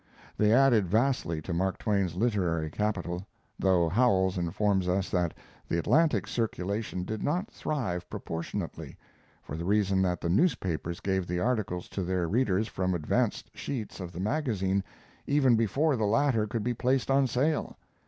They added vastly to Mark Twain's literary capital, though Howells informs us that the Atlantic circulation did not thrive proportionately, for the reason that the newspapers gave the articles to their readers from advanced sheets of the magazine, even before the latter could be placed on sale.